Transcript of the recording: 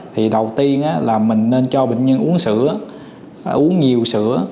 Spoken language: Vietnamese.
thì đầu tiên là mình nên cho bệnh nhân uống sữa uống nhiều sữa